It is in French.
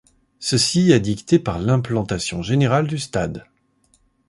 Ceci est dicté par l'implantation générale du stade.